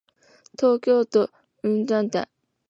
東京都雲雀市